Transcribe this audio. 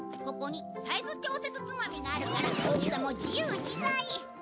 ここにサイズ調節つまみがあるから大きさも自由自在。